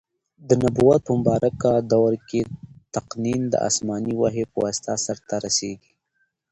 د نبوت په مبارکه دور کي تقنین د اسماني وحي په واسطه سرته رسیږي.